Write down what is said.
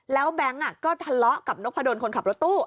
แล้วแบงค์ก็ทะเลาะกับนกพะดนคนขับรถตู้